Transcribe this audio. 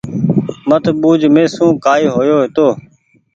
مت ٻوُج مهسون ڪآئي هويو هيتو